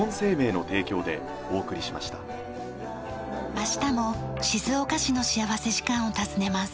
明日も静岡市の幸福時間を訪ねます。